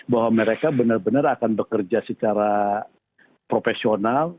bahwa mereka benar benar akan bekerja secara profesional